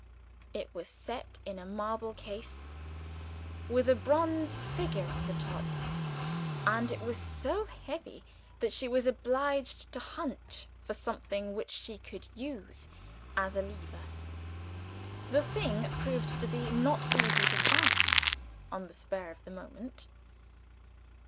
It was set in a marble case, with a bronze figure on the top; and it was so heavy that she was obliged to hunt for something which she could use as a lever. The thing proved to be not easy to find on the spur of the moment.